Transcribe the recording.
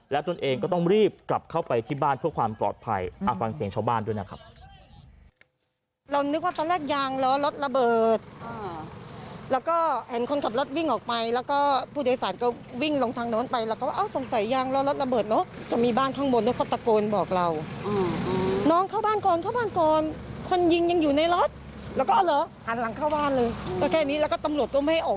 แล้วตนเองก็ต้องรีบกลับเข้าไปที่บ้านเพื่อความปลอดภัยฟังเสียงชาวบ้านด้วยนะครับ